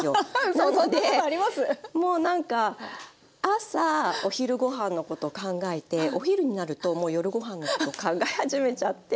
なのでもうなんか朝お昼ご飯のこと考えてお昼になるともう夜ご飯のこと考え始めちゃって。